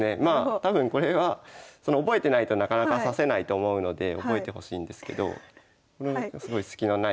多分これは覚えてないとなかなか指せないと思うので覚えてほしいんですけどすごいスキのない構えで。